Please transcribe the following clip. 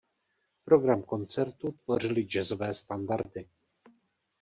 Program koncertu tvořily jazzové standardy.